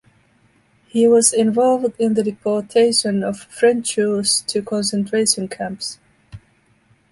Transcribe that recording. He was involved in the deportation of French Jews to concentration camps.